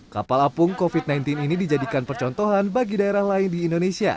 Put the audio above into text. kapal apung covid sembilan belas ini dijadikan percontohan bagi daerah lain di indonesia